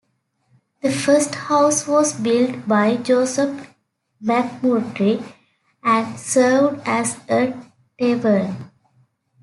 The first house was built by Joseph McMurtry and served as a tavern.